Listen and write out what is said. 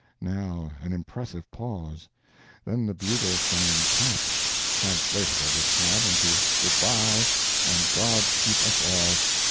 Now an impressive pause—then the bugle sang "TAPS"—translatable, this time, into "Good bye, and God keep us all!"